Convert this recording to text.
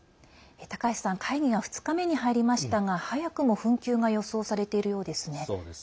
高橋さん会議は２日目に入りましたが早くも紛糾が予想されているようですね。